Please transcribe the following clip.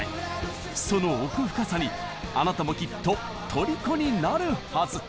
その奥深さにあなたもきっとトリコになるはず！